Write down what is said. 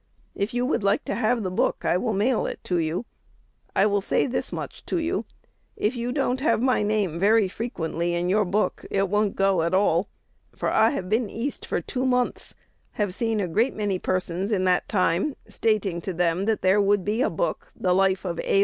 If you would like to have the book, I will mail it to you. I will say this much to you: if you don't have my name very frequently in your book, it won't go at all; for I have been East for two months, have seen a great many persons in that time, stating to them that there would be a book, 'The Life of A.